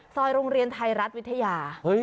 โรงเรียนไทยรัฐวิทยา